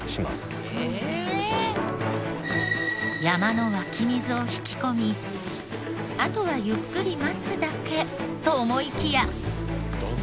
山の湧き水を引き込みあとはゆっくり待つだけと思いきや。